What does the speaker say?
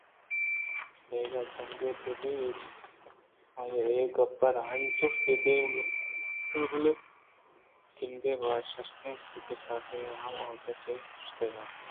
دگہ جنکے بہ بوتیں آئی اے گپ ءَ را انچوش پہ دیم گار کُت ءُبہ گندے بہ شتیں انچوش کہ سارٹونی ہم اُودا چہ شتگ اَت